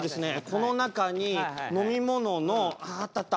この中に飲み物のあああったあった。